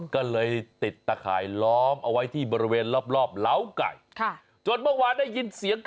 ก็เลยติดตะข่ายล้อมเอาไว้ที่บริเวณรอบเหล้าไก่